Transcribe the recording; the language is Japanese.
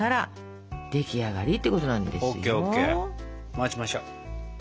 待ちましょ。